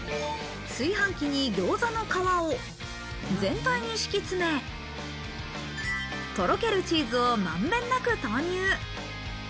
炊飯器に餃子の皮を全体に敷き詰め、とろけるチーズを満遍なく投入。